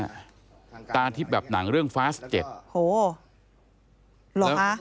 ตาทิพธิ์ฮะตาทิพธิ์แบบหนังเรื่องฟาสเจ็ดโหหรอฮะ